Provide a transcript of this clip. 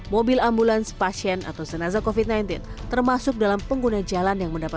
mobil ambulans pasien atau senaza covid sembilan belas termasuk dalam pengguna jalan yang mendapat